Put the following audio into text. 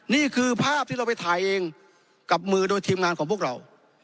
นี่คือภาพที่เราไปถ่ายเองกับมือโดยทีมงานของพวกเรา